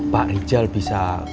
pak rijal bisa